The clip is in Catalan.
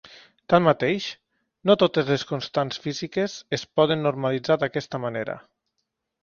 Tanmateix, no totes les constants físiques es poden normalitzar d'aquesta manera.